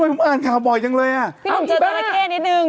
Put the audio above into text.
ไม่ทำไมผมอ่านข่าวบ่อยจังเลยอ่ะอ้าวอีบ้าพี่นุ่มเจอจัลละแค่นิดหนึ่ง